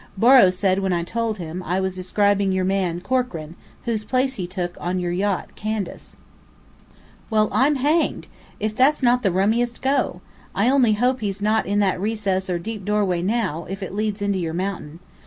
Borrow said when I told him, I was describing your man, Corkran, whose place he took on your yacht Candace." "Well, I'm hanged! If that's not the rummiest go! I only hope he's not in that recess or deep doorway now, if it leads into your mountain.